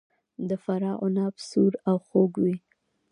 د فراه عناب سور او خوږ وي.